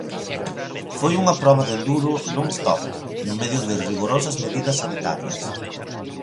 Foi unha proba de enduro non stop no medio de rigorosas medidas sanitarias.